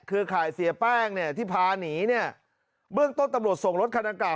ข่ายเสียแป้งเนี่ยที่พาหนีเนี่ยเบื้องต้นตำรวจส่งรถคันดังกล่า